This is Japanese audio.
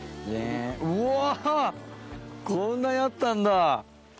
こんなにあったんだ！